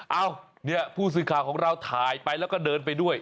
เอ้าเนี่ยผู้สื่อข่าวของเราถ่ายไปแล้วก็เดินไปด้วย